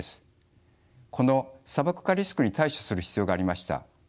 この砂漠化リスクに対処する必要がありました。